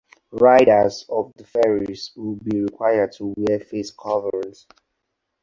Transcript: Riders of the ferries will be required to wear face coverings.